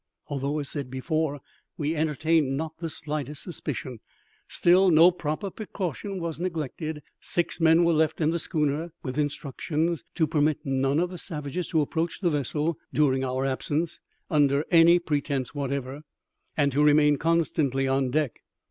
Although, as said before, we entertained not the slightest suspicion, still no proper precaution was neglected. Six men were left in the schooner, with instructions to permit none of the savages to approach the vessel during our absence, under any pretence whatever, and to remain constantly on deck.